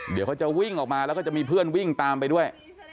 เดี๋ยวเขาจะวิ่งออกมาแล้วก็จะมีเพื่อนวิ่งตามไปด้วย